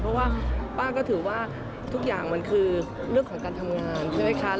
เพราะว่าป้าก็ถือว่าทุกอย่างมันคือเรื่องของการทำงานใช่ไหมคะ